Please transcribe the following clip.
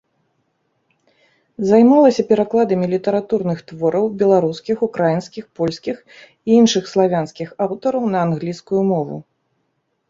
Займалася перакладамі літаратурных твораў беларускіх, украінскіх, польскіх і іншых славянскіх аўтараў на англійскую мову.